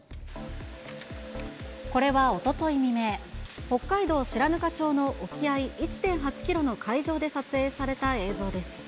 これはおととい未明、北海道白糠町の沖合１．８キロの海上で撮影された映像です。